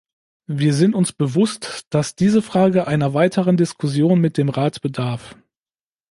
Wir sind uns bewusst, dass diese Frage einer weiteren Diskussion mit dem Rat bedarf.